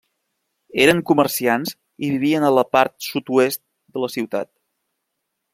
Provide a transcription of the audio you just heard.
Eren comerciants i vivien a la part sud-oest de la ciutat.